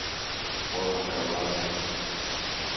όλα καλά